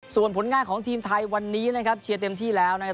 ส่วนผลงานของทีมไทยวันนี้นะครับเชียร์เต็มที่แล้วนะครับ